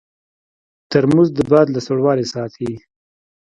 ترموز د باد له سړوالي ساتي.